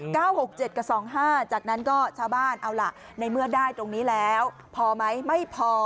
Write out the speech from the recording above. ๙๖๗กับ๒๕จากนั้นก็ชาวบ้านเอาล่ะในเมื่อได้ตรงนี้แล้วพอมั้ยไม่พอ